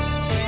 kamu gak bisa